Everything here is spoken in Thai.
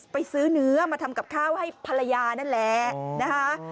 ไปซื้อเนื้อมาทำกับข้าวให้ภรรยานั่นแหละนะคะ